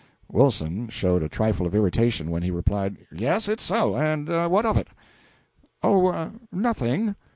Wilson showed a trifle of irritation when he replied "Yes, it's so. And what of it?" "Oh, nothing.